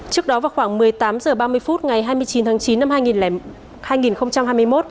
trước đó vào khoảng một mươi tám h ba mươi phút ngày hai mươi chín tháng chín năm hai nghìn